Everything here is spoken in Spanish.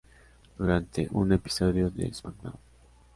Durante un episodio de "SmackDown!